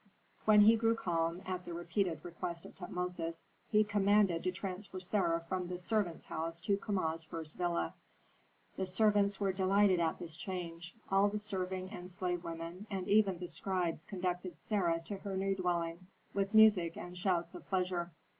When he grew calm, at the repeated request of Tutmosis, he commanded to transfer Sarah from the servants' house to Kama's first villa. The servants were delighted at this change; all the serving and slave women, and even the scribes conducted Sarah to her new dwelling with music and shouts of pleasure.